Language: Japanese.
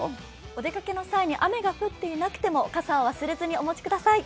お出かけの際に雨が降っていなくても傘を忘れずにお持ちください。